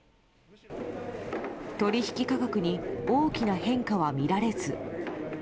取り引き価格に大きな変化は見られず。